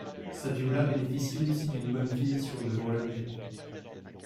Saviola bénéficie aussi d'une bonne finition devant le but.